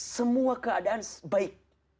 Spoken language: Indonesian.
semua keadaan baik